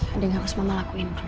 ada yang harus mama lakuin dulu